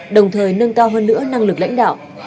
đồng thời nâng cao hơn nữa năng lực lãnh đạo